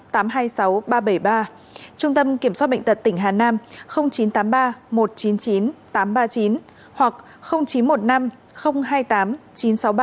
trung tâm kiểm soát bệnh tật tỉnh hà nam chín trăm tám mươi ba một trăm chín mươi chín tám trăm ba mươi chín hoặc chín trăm một mươi năm hai mươi tám chín trăm sáu mươi ba